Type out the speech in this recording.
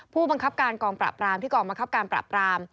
ผู้บังคับการกองปราบรามที่กองบังคับการปราบราม